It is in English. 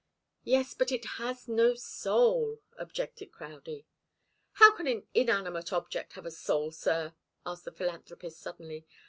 "Yes but it has no soul," objected Crowdie. "How can an inanimate object have a soul, sir?" asked the philanthropist, suddenly.